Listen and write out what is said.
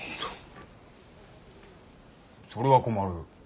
それは困る。